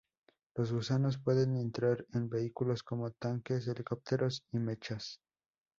Los gusanos pueden entrar en vehículos como tanques, helicópteros y Mechas.